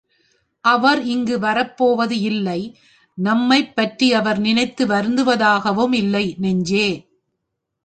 அவர் இங்கு வரப்போவது இல்லை நம்மைப்பற்றி அவர் நினைத்து வருந்துவதாகவும் இல்லை. நெஞ்சே!